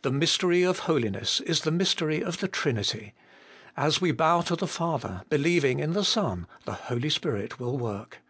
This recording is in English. The mystery of holiness is the mystery of the Trinity : as we bow to the Father, believing in the Son, the Holy Spirit will work.